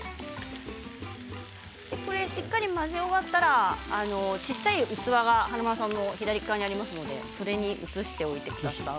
しっかり混ぜ終わったら小さい器が華丸さんの左側にありますのでそれに移しておいてください。